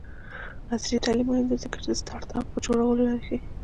عصري تعلیم مهم دی ځکه چې د سټارټ اپ جوړولو لارې ښيي.